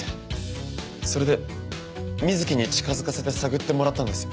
それで美月に近づかせて探ってもらったんです。